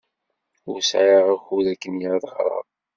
Ur sɛiɣ akud akken ad ɣreɣ.